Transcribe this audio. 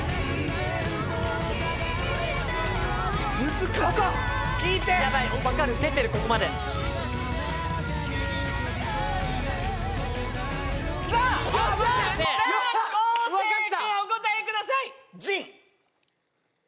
難しいアカンやばいわかる出てるここまでさあ昴生君お答えください